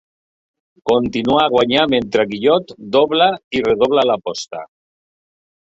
Continua a guanyar mentre Guillot dobla i redobla l'aposta.